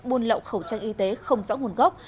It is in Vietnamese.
buôn lậu khẩu trang y tế không rõ nguồn gốc